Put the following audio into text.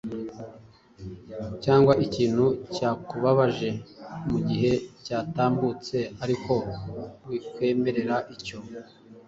cyangwa ikintu cyakubabaje mu gihe cyatambutse, ariko wikwemerera icyo.